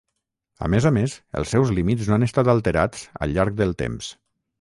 A més a més, els seus límits no han estat alterats al llarg del temps.